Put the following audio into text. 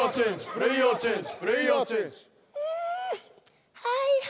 プレイヤーチェンジ。